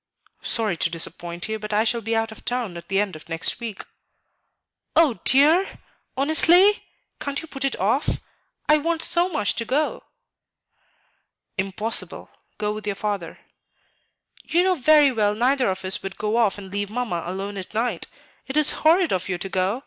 "Sorry to disappoint you, but I shall be out of town at the end of next week." "Oh, dear? Honestly? Can't you put it off? I want so much to go." "Impossible. Go with your father." "You know very well neither of us would go off and leave Mamma alone at night. It is horrid of you to go.